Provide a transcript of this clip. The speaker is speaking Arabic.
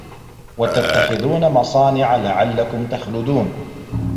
وَتَتَّخِذونَ مَصانِعَ لَعَلَّكُم تَخلُدونَ